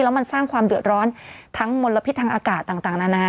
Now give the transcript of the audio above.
แล้วมันสร้างความเดือดร้อนทั้งมลพิษทางอากาศต่างนานา